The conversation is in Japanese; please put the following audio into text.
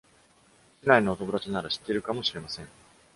市内のお友達なら知っているかもしれません。